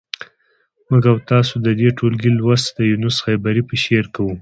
موږ او تاسو د دې ټولګي لوست د یونس خیبري په شعر کوو.